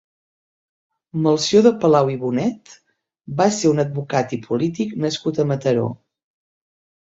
Melcior de Palau i Bonet va ser un advocat i polític nascut a Mataró.